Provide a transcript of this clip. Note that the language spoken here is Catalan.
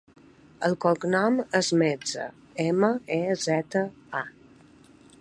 El cognom és Meza: ema, e, zeta, a.